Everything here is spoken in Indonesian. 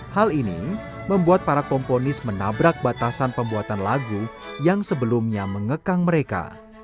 hal ini membuat para komponis menabrak batasan pembuatan lagu yang sebelumnya mengekang mereka